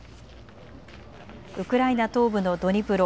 ウクライナ東部のドニプロ。